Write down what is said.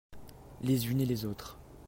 Les unes et les autres.